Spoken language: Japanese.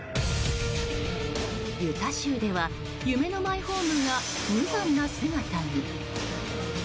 ユタ州では夢のマイホームが無残な姿に。